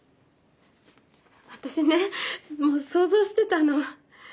私ねもう想像してたの。